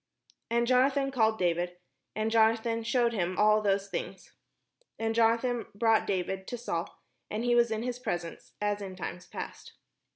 And Jonathan called David, and Jonathan shewed him all those things. And Jonathan brought David to Saul, and he was in his presence, as in times past.